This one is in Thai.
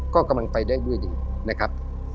ก็กำลังไปด้วยจริงนะครับ